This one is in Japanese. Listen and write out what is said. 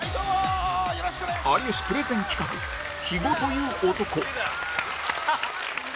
有吉プレゼン企画肥後という男